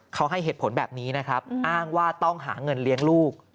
เขาให้เหตุผลแบบนี้นะครับอ้างว่าต้องหาเงินเลี้ยงลูก